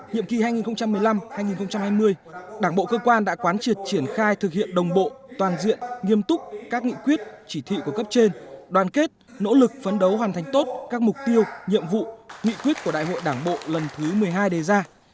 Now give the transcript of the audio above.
nhiệm kỳ hai nghìn một mươi năm hai nghìn hai mươi đảng bộ cơ quan đã quán triệt triển khai thực hiện đồng bộ toàn diện nghiêm túc các nghị quyết chỉ thị của cấp trên đoàn kết nỗ lực phấn đấu hoàn thành tốt các mục tiêu nhiệm vụ nghị quyết của đại hội đảng bộ lần thứ một mươi hai đề ra